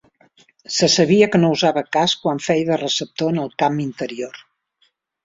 Se sabia que no usava casc quan feia de receptor en el camp interior.